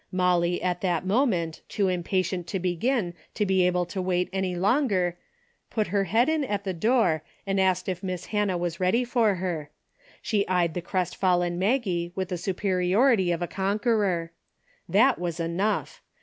Molly at that moment, too impatient to begin to be able to Avait any 138 A DAILY BATE.'' longer, put her head in at the door and asked if Miss Hannah was ready for her. She eyed the crestfallen Maggie with the superiority of a conqueror. That was enough.